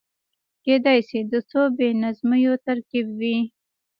کېدای شي د څو بې نظمیو ترکيب وي.